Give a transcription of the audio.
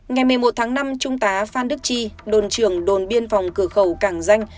ngày một mươi một tháng năm trung tá phan đức chi đồn trưởng đồn biên phòng cửa khẩu cảng danh